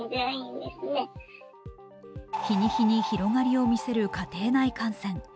日に日に広がりを見せる家庭内感染。